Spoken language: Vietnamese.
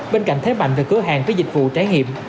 bên cạnh thế mạnh về cửa hàng với dịch vụ trải nghiệm